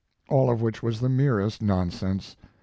All of which was the merest nonsense.